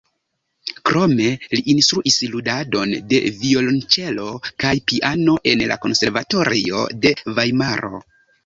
Krome li instruis ludadon de violonĉelo kaj piano en la Konservatorio de Vajmaro.